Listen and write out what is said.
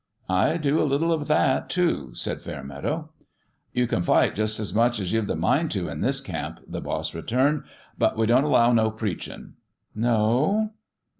"I do a little of that, too," said Fairmeadow. "You can fight just as much as you've the mind to in this camp," the boss returned ;" but we don't allow no preachin'." "No?"